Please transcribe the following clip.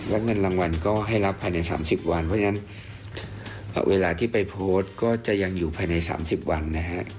และเงินรางวัลก็ให้รับภายใน๓๐วันเพราะฉะนั้นเวลาที่ไปโพสต์ก็จะยังอยู่ภายใน๓๐วันนะฮะ